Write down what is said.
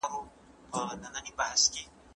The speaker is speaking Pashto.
¬ د ړندو په ښار کي يو سترگی باچا دئ.